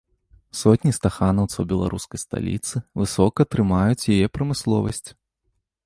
Сотні стаханаўцаў беларускай сталіцы высока трымаюць яе прамысловасць.